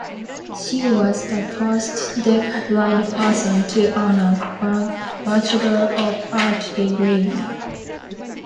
She was the first deaf-blind person to earn a bachelor of arts degree.